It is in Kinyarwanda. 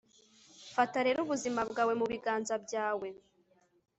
fata rero ubuzima bwawe mu biganza byawe